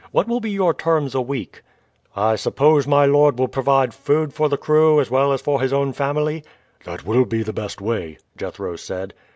What will be your terms a week?" "I suppose my lord will provide food for the crew as well as for his own family?" "That will be the best way," Jethro said.